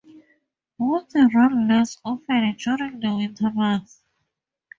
Both run less often during the winter months.